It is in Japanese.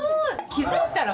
気づいたら。